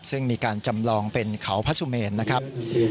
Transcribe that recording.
ซึ่งมีการจำลองเป็นเขาพระสุเมนนะครับ